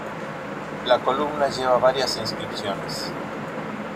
La columna lleva varias inscripciones.